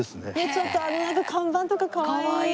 ちょっとあの看板とかかわいい！